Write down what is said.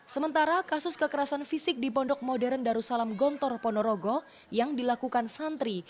sementara kasus kekerasan fisik di pondok modern darussalam gontor ponorogo yang dilakukan santri